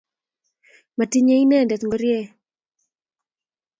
matinye inendet ngorie